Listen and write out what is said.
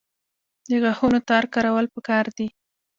د غاښونو تار کارول پکار دي